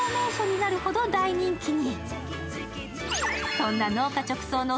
なるほど大人気に。